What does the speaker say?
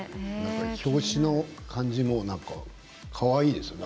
表紙の感じもかわいいですよね。